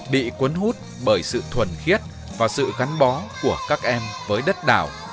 bị quấn hút bởi sự thuần khiết và sự gắn bó của các em với đất đảo